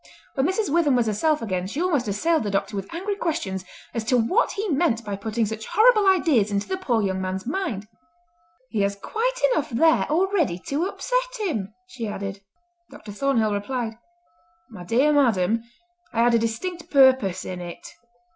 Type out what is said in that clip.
When Mrs. Witham was herself again she almost assailed the Doctor with angry questions as to what he meant by putting such horrible ideas into the poor young man's mind. "He has quite enough there already to upset him," she added. Dr. Thornhill replied: "My dear madam, I had a distinct purpose in it!